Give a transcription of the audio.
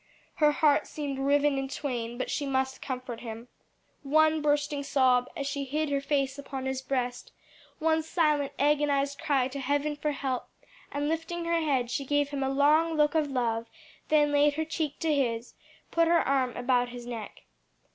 Her heart seemed riven in twain; but she must comfort him. One bursting sob as she hid her face upon his breast, one silent agonized cry to Heaven for help, and lifting her head, she gave him a long look of love, then laid her cheek to his, put her arm about his neck.